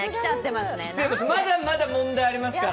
まだまだ問題ありますから。